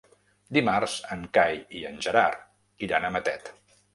Dimarts en Cai i en Gerard iran a Matet.